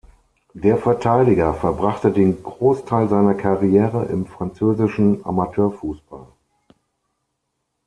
Der Verteidiger verbrachte den Großteil seiner Karriere im französischen Amateurfußball.